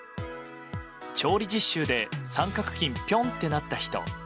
調理実習で三角巾ぴょんってなった人。